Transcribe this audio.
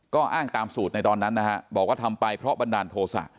ก็อ้างตามสูตรในตอนนั้นนะฮะบอกว่าทำไปเพราะบันดาลโทษะ